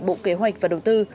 bộ kế hoạch và đầu tư